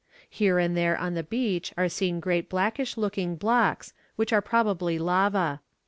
Here and there on the beach are seen great blackish looking blocks, which are probably lava.